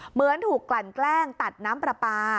เหมือนถูกกลั่นแกล้งตัดน้ำปลาปลา